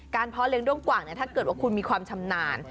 เพาะเลี้ยด้วงกว่างถ้าเกิดว่าคุณมีความชำนาญ